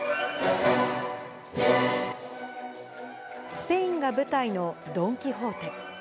スペインが舞台のドン・キホーテ。